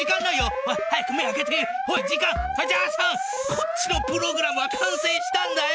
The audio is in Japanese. こっちのプログラムは完成したんだよ！